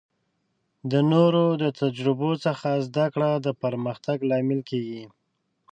د نورو د تجربو څخه زده کړه د پرمختګ لامل کیږي.